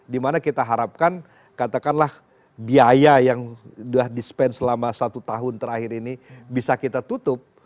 dimana kita harapkan katakanlah biaya yang sudah di spend selama satu tahun terakhir ini bisa kita tutup